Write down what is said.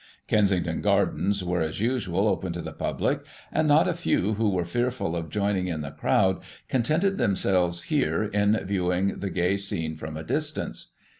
Kensington Gardens were, as usual, open to the public, and not a few who were fearful of joining in the crowd, contented themselves here, in viewing the gay scene from a distance.